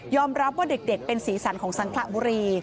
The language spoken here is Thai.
ยอมรับว่าเด็กเป็นศรีสรรค์ของสังคระบุรี